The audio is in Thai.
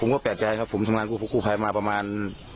ก็แปลกใจครับผมทำงานกู้ภัยมาประมาณ